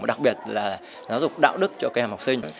và đặc biệt là giáo dục đạo đức cho kẻ học sinh